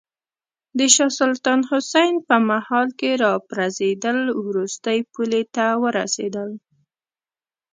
د شاه سلطان حسین په مهال کې راپرزېدل وروستۍ پولې ته ورسېدل.